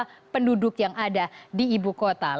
lalu kemudian kita lihat apa yang menjadi penyebab orang doyot